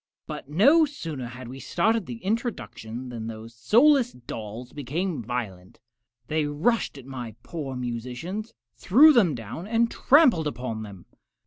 But no sooner had we started the introduction than those soulless dolls became violent. They rushed at my poor musicians, threw them down, and trampled upon them!